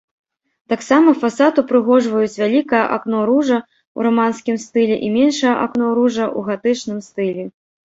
Таксама фасад упрыгожваюць вялікае акно-ружа ў раманскім стылі і меншае акно-ружа ў гатычным стылі.